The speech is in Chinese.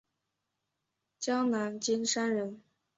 江南金山人。